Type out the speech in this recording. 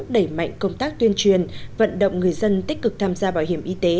đẩy mạnh công tác tuyên truyền vận động người dân tích cực tham gia bảo hiểm y tế